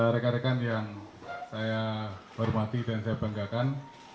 rekan rekan yang saya hormati dan saya banggakan